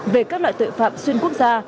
về các loại tội phạm xuyên quốc gia